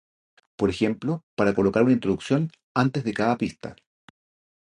Por ejemplo, para colocar una introducción antes de cada pista.